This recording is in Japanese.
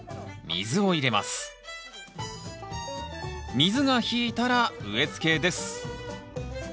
水が引いたら植えつけです